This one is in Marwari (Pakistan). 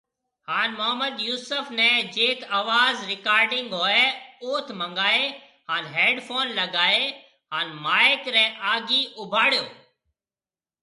هان محمد يوسف ني جيٿ آواز رڪارڊنگ هوئي اوٿ منگائي هان هيڊ فون لگائي هان مائيڪ ري آگھيَََ اوڀاڙيو